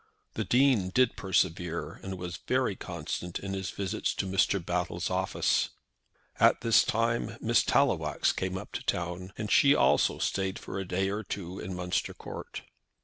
The Dean did persevere, and was very constant in his visits to Mr. Battle's office. At this time Miss Tallowax came up to town, and she also stayed for a day or two in Munster Court.